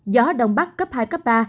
gió đông bắc cấp hai cấp ba